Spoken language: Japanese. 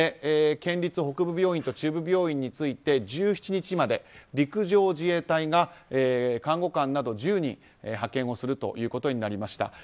県立北部病院と中部病院について１７日まで陸上自衛隊が看護官など１０人派遣をするということになりました。